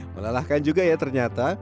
melalahkan juga ya ternyata